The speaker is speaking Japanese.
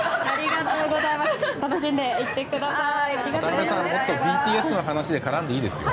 渡辺さん、ＢＴＳの話で絡んでいいですよ。